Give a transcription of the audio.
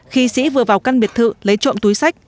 khi sĩ vừa vào căn biệt thự lấy trộm túi sách